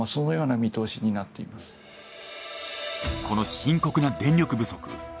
この深刻な電力不足